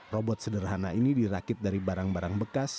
robot sederhana ini dirakit dari barang barang bekas